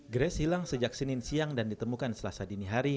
grace hilang sejak senin siang dan ditemukan selasa dini hari